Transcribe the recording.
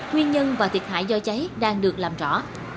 nguyên nhân và thiệt hại do cháy đang được làm rõ